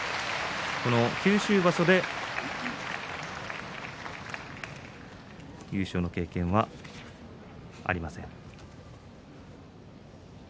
九州場所で優勝の経験はありません。